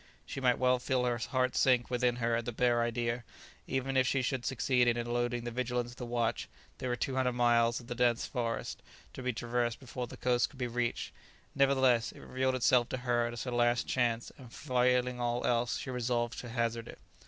She might well feel her heart sink within her at the bare idea; even if she should succeed in eluding the vigilance of the watch, there were two hundred miles of dense forest to be traversed before the coast could be reached; nevertheless, it revealed itself to her as her last chance, and failing all else, she resolved to hazard it.